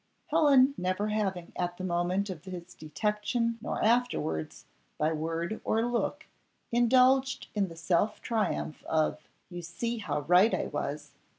Helen never having at the moment of his detection nor afterwards, by word or look, indulged in the self triumph of "You see how right I was!"